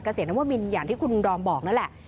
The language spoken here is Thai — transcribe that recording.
เกษตรน้ำวะมิลอย่างที่คุณดอมบอกน่ะแหละ